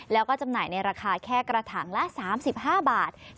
แล้วก็จำหน่ายในราคาแค่กระถังละ๓๕บาท